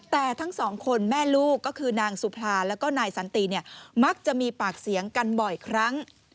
แต่ทั้งสองคนแม่ลูกก็คือนางสุพราแล้วก็นายสันติเนี่ยมักจะมีปากเสียงกันบ่อยครั้ง